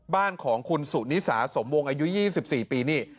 บ้านของคุณสุนิสาสมวงอายุ๒๔ปีนี่